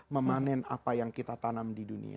memanen apa yang kita tanam di dunia ini ya